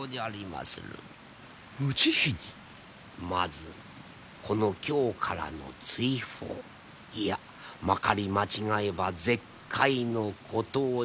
まずこの京からの追放いやまかり間違えば絶海の孤島に島流し。